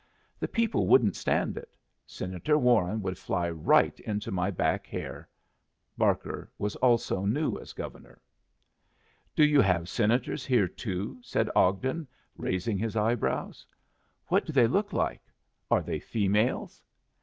The people wouldn't stand it. Senator Warren would fly right into my back hair." Barker was also new as Governor. "Do you have Senators here too?" said Ogden, raising his eyebrows. "What do they look like? Are they females?"